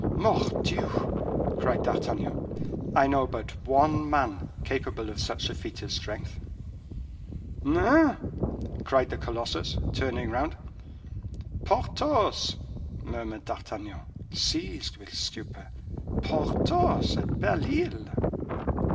"Mordioux!" cried D'Artagnan, "I know but one man capable of such a feat of strength." "Hein!" cried the colossus, turning round. "Porthos!" murmured D'Artagnan, seized with stupor, "Porthos at Belle Isle!"